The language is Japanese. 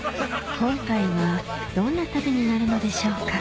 今回はどんな旅になるのでしょうか？